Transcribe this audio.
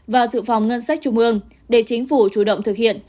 vào dự phòng ngân sách trung mương để chính phủ chủ động thực hiện